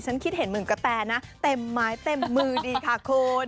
ฉันคิดเห็นเหมือนกะแตนะเต็มไม้เต็มมือดีค่ะคุณ